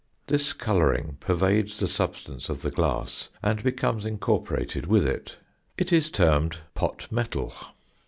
This colouring pervades the substance of the glass and becomes incorporated with it." It is termed "pot metal."